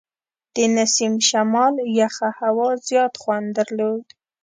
د نسیم شمال یخه هوا زیات خوند درلود.